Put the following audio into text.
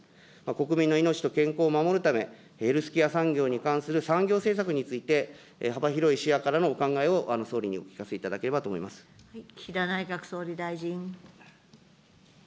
国民の命と健康を守るため、ヘルスケア産業に関する産業政策について、幅広い視野からのお考えを総理にお聞かせいただければと思岸田内閣総理大臣。